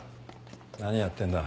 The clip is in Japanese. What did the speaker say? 何やってんだ。